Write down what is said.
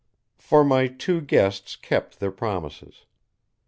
For my two guests kept their promises.